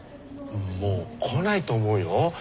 もう来ないと思うよ。